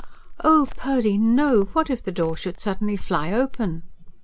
"Oh, Purdy, no! What if the door should suddenly fly open?"